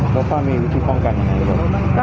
แล้วพ่อมีวิธีป้องกันอย่างไรหรือเปล่า